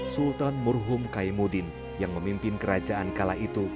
sultan murhum kaimuddin yang memimpin kerajaan kala itu